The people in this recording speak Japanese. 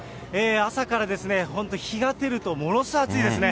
朝から本当、日が照るとものすごい暑いですね。